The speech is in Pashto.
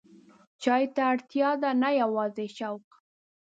چای ته اړتیا ده، نه یوازې شوق.